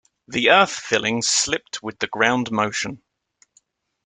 The earth filling slipped with the ground motion.